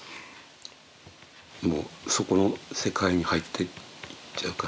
もうそこの世界に入ってっちゃうから。